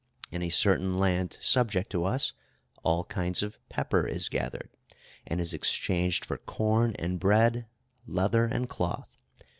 In a certain land subject to us, all kinds of pepper is gathered, and is exchanged for corn and bread, leather and cloth....